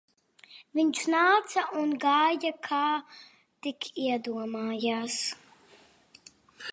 Viņš nāca un gāja kā tik iedomājās